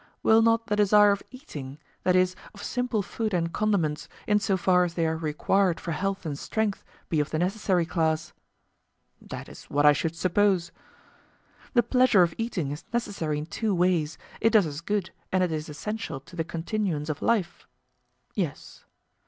Will not the desire of eating, that is, of simple food and condiments, in so far as they are required for health and strength, be of the necessary class? That is what I should suppose. The pleasure of eating is necessary in two ways; it does us good and it is essential to the continuance of life? Yes.